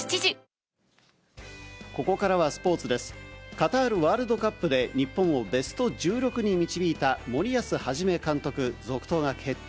カタールワールドカップで日本をベスト１６に導いた森保一監督、続投が決定。